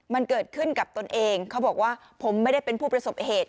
มันเกิดขึ้นกับตนเองเขาบอกว่าผมไม่ได้เป็นผู้ประสบเหตุ